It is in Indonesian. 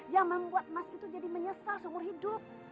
yang membuat mas itu jadi menyesal seumur hidup